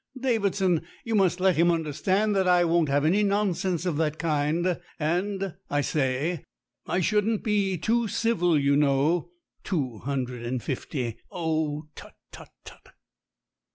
Davidson, you must let him understand that I won't have any nonsense of that kind and, I say, I shouldn't be too civil, you know. Two hundred and fifty? Oh, tut, tut, tut!"